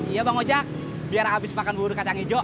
iya bang ojak biar abis makan burung kacang hijau